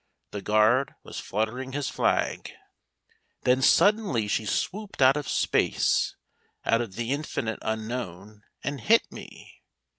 The guard was fluttering his flag. Then suddenly she swooped out of space, out of the infinite unknown, and hit me.